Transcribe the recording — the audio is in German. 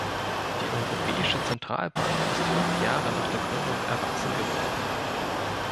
Die Europäische Zentralbank ist fünf Jahre nach der Gründung erwachsen geworden.